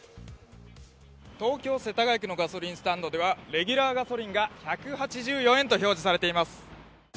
東京・世田谷区のガソリンスタンドではレギュラーガソリンが１８４円と表示されています。